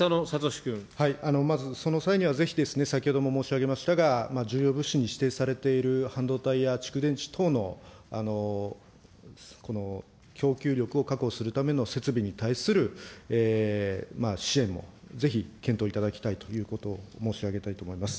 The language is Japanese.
まずその際には、ぜひですね、先ほども申し上げましたが、重要物資に指定されている半導体や蓄電池等の供給力を確保するための設備に対する支援もぜひ検討いただきたいということを申し上げたいと思います。